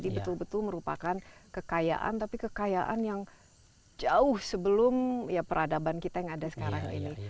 ini betul betul merupakan kekayaan tapi kekayaan yang jauh sebelum peradaban kita yang ada sekarang ini